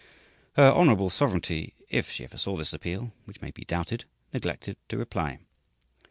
Her "Hon. Sovereignty," if she ever saw this appeal (which may be doubted), neglected to reply.